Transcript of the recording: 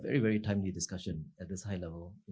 ini membuat untuk diskusi yang sangat berhenti